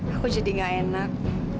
aku jadi gak enak